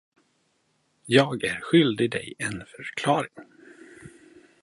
Jag är skyldig dig en förklaring.